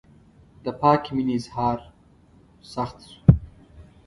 د پاکې مینې اظهار سخت شو.